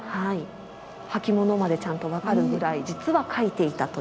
履き物までちゃんと分かるぐらい実は描いていたという。